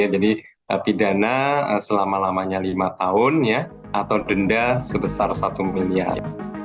jadi pidana selama lamanya lima tahun ya atau denda sebesar satu miliar